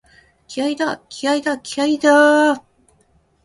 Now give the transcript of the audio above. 気合いだ、気合いだ、気合いだーっ！！！